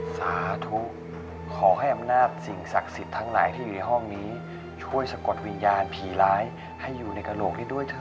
สาธุขอให้อำนาจสิ่งศักดิ์สิทธิ์ทั้งหลายที่อยู่ในห้องนี้ช่วยสะกดวิญญาณผีร้ายให้อยู่ในกระโหลกได้ด้วยเถ